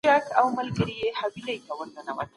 ماشومانو پوښتني کړي دي.